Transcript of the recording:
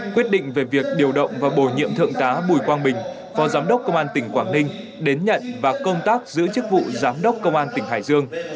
quyết định về việc điều động và bồi nhiệm thượng tá bùi quang bình phó giám đốc công an tỉnh quảng ninh đến nhận và công tác giữ chức vụ giám đốc công an tỉnh hải dương